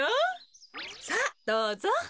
さあどうぞ。